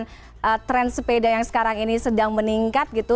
karena tren sepeda yang sekarang ini sedang meningkat gitu